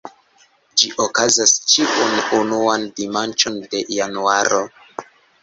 Ĝi okazas ĉiun unuan dimanĉon de januaro.